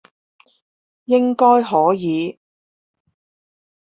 應該可以